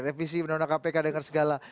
revisi menolak kpk dengan segala